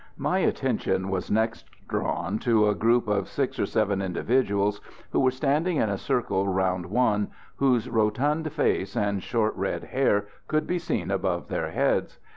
My attention was next drawn to a group of six or seven individuals who were standing in a circle round one, whose rotund face and short red hair could be seen above their heads.